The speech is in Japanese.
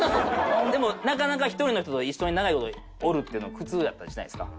でもなかなか１人の人と一緒に長い事おるっていうの苦痛やったりしないですか？